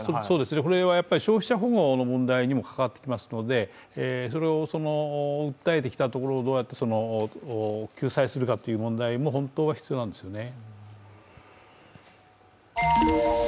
これは消費者保護の問題にも関わってきますので、それを訴えてきたところを、どうやって救済するかっていう話も本当は必要なんですよね。